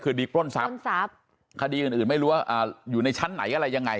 คือดีปล้นสับปล้นสับคดีอื่นอื่นไม่รู้ว่าอ่าอยู่ในชั้นไหนอะไรยังไง